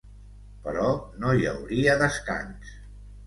Però no hi hauria descans.